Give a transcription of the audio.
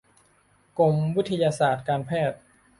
กรมวิทยาศาสตร์การแพทย์